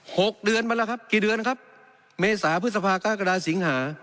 หกเดือนมาแล้วครับกี่เดือนครับเมษาพฤษภากรกฎาสิงหา